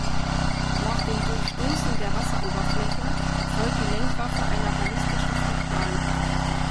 Nach dem Durchstoßen der Wasseroberfläche folgt die Lenkwaffe einer ballistischen Flugbahn.